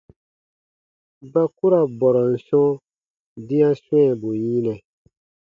Ba ku ra bɔrɔn sɔ̃ dĩa swɛ̃ɛbu yinɛ.